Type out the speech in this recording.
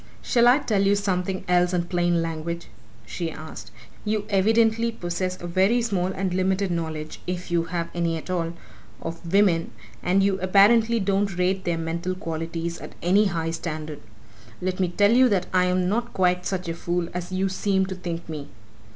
"Shall I tell you something else in plain language?" she asked. "You evidently possess a very small and limited knowledge if you have any at all! of women, and you apparently don't rate their mental qualities at any high standard. Let me tell you that I am not quite such a fool as you seem to think me!